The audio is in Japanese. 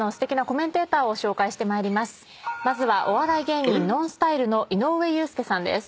まずはお笑い芸人ＮＯＮＳＴＹＬＥの井上裕介さんです。